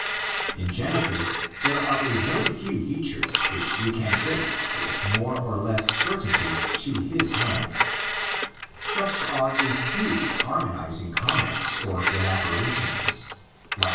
In Genesis there are a very few features which we can trace with more or less certainty to his hand: such are a few harmonising comments or elaborations like x.